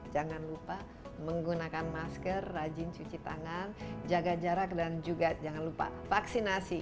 jangan lupa menggunakan masker rajin cuci tangan jaga jarak dan juga jangan lupa vaksinasi